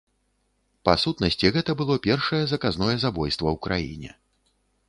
Па сутнасці гэта было першае заказное забойства ў краіне.